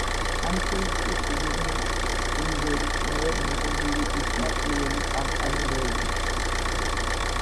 ამ ფილმში სიგურნი უივერის მიერ მიღებული იქნა პირველი წამყვანი როლი.